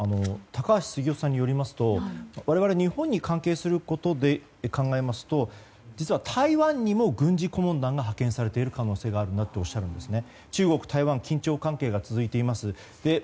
高橋杉雄さんによりますと我々日本に関係することで考えますと、実は台湾にも軍事顧問団が派遣されている可能性があるとおっしゃるんですね。